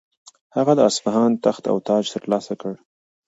هغه د اصفهان تخت او تاج ترلاسه کړ.